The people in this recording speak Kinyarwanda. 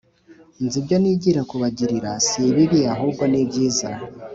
nzi ibyo nibwira kuba giria sibibi ahubwo nibyiza